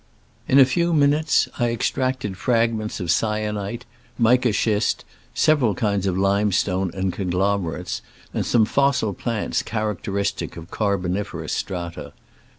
In a few minutes I ex tracted fragments of syenite, mica schist, .several kinds of limestone and conglomerates, and some fossil plants characteristic of carboniferous strata.